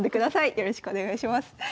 よろしくお願いします。